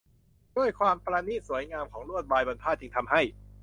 ด้วยความประณีตสวยงามของลวดลายบนผ้าจึงทำให้